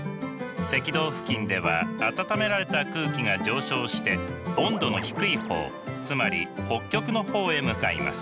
赤道付近では暖められた空気が上昇して温度の低い方つまり北極の方へ向かいます。